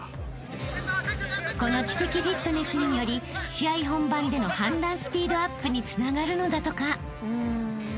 ［この知的フィットネスにより試合本番での判断スピードアップにつながるのだとか］